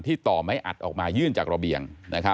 ต่อไม้อัดออกมายื่นจากระเบียง